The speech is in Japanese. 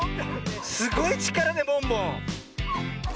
すごいちからねボンボン！